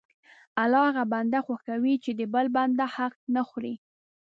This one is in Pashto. الله هغه بنده خوښوي چې د بل بنده حق نه خوري.